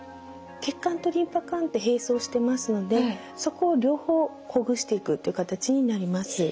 血管とリンパ管って並走してますのでそこを両方ほぐしていくという形になります。